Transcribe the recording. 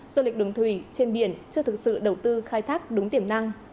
du lịch đường thủy trên biển chưa thực sự đầu tư khai thác đúng tiềm năng